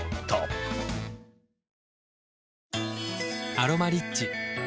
「アロマリッチ」